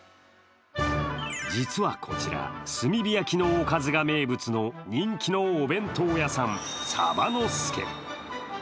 実はこちら、炭火焼きのおかずが名物の人気のお弁当屋さん鯖の助。